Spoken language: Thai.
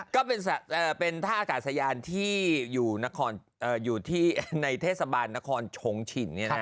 ก็เป็นท่ากัดสยานที่อยู่ในเทศบาลนครชงฉิน